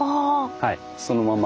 はいそのまま。